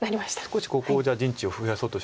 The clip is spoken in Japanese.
少しここをじゃあ陣地を増やそうとしてる。